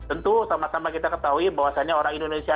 tentu sama sama kita ketahui bahwasannya orang indonesia